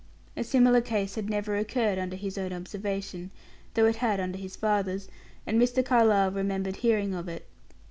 A similar case had never occurred under his own observation, though it had under his father's, and Mr. Carlyle remembered hearing of it.